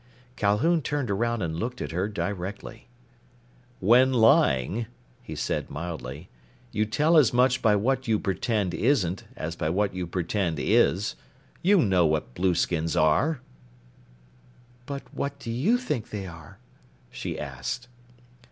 Calhoun turned around and looked at her directly. "When lying," he said mildly, "you tell as much by what you pretend isn't, as by what you pretend is. You know what blueskins are!" "But what do you think they are?" she asked.